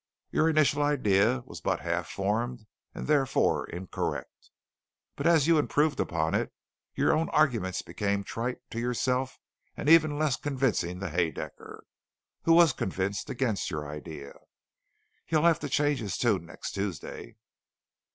"Your initial idea was but half formed and therefore incorrect. But as you improved upon it, your own arguments became trite to yourself and even less convincing to Haedaecker, who was convinced against your idea. He'll have to change his tune next Tuesday."